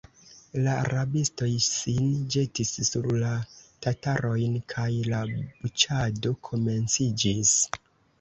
La rabistoj sin ĵetis sur la tatarojn, kaj la buĉado komenciĝis.